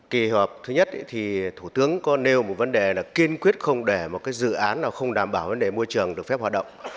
kỳ họp thứ nhất thì thủ tướng có nêu một vấn đề là kiên quyết không để một dự án nào không đảm bảo vấn đề môi trường được phép hoạt động